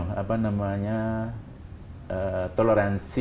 kami mempunyai toleransi